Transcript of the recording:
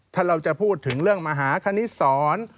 ถ้าเราจะพูดถึงเรื่องมหาคณิตศร